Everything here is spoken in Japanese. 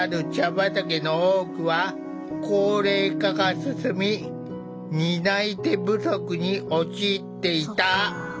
畑の多くは高齢化が進み担い手不足に陥っていた。